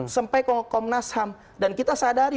sampai ke komnas ham dan kita sadari